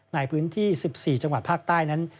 ในพื้นที่๑๔จังหวัดภาคใต้นั้น